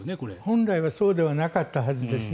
本来はそうではなかったはずですね。